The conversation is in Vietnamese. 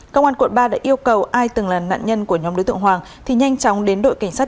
công an quận ba đã yêu cầu ai từng là nạn nhân của nhóm đối tượng hoàng thì nhanh chóng đến đội cảnh sát